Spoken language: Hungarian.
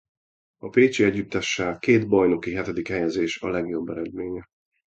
A pécsi együttessel két bajnoki hetedik helyezés a legjobb eredménye.